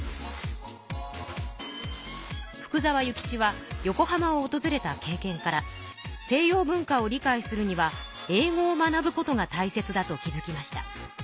福沢諭吉は横浜をおとずれた経験から西洋文化を理解するには英語を学ぶことが大切だと気づきました。